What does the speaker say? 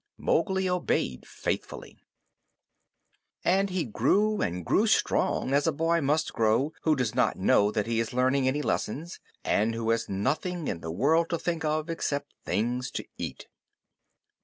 Mowgli obeyed faithfully. And he grew and grew strong as a boy must grow who does not know that he is learning any lessons, and who has nothing in the world to think of except things to eat.